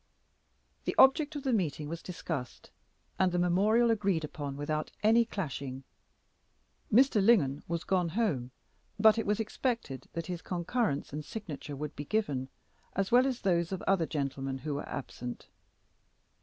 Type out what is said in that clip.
The object of the meeting was discussed, and the memorial agreed upon without any clashing. Mr. Lingon was gone home, but it was expected that his concurrence and signature would be given, as well as those of other gentlemen who were absent.